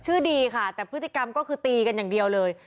ดีค่ะแต่พฤติกรรมก็คือตีกันอย่างเดียวเลย